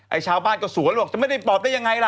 ไอ้ชาวบ้านก็สั่วลวกจะไม่ได้เป็นปอบได้ยังไงล่ะ